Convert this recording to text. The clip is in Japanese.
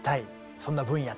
そんな分野とか。